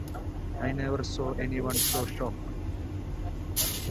I never saw anyone so shocked.